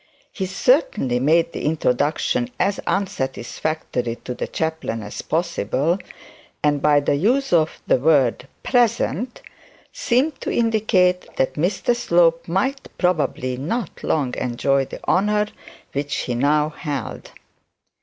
he certainly made the introduction as unsatisfactory to the chaplain as possible, and by the use of the word present, seemed to indicate that Mr Slope might probably not long enjoy the honour which he now held.